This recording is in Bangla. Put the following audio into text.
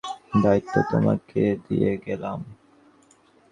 আমরা ফেরার আগ পর্যন্ত বোনের দায়িত্ব তোমাকে দিয়ে গেলাম।